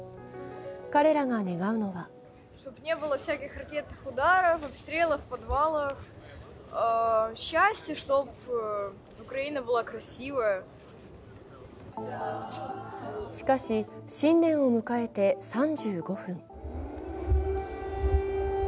彼らが願うのはしかし、新年を迎えて３５分。